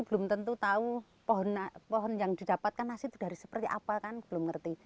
belum tentu tahu pohon yang didapatkan nasi itu dari seperti apa kan belum ngerti